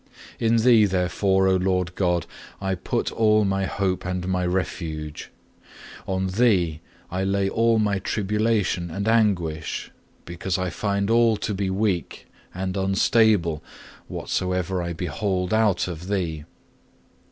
3. In Thee, therefore, O Lord God, I put all my hope and my refuge, on Thee I lay all my tribulation and anguish; because I find all to be weak and unstable whatsoever I behold out of Thee.